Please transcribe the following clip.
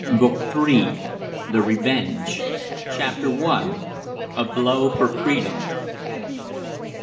BOOK III. THE REVENGE. CHAPTER I. A BLOW FOR FREEDOM.